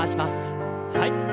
はい。